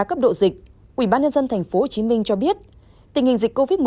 đánh giá cấp độ dịch ubnd tp hcm cho biết tình hình dịch covid một mươi chín